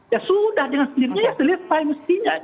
ya sudah dengan sendirinya ya selesai mestinya